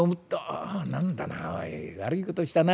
あ何だなおい悪いことしたな。